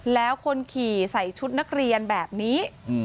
แล้วคนขี่ใส่ชุดนักเรียนแบบนี้